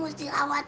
you mesti rawatan